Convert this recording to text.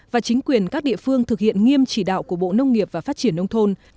và chính quyền các địa phương thực hiện nghiêm chỉ đạo của bộ nông nghiệp và phát triển nông thôn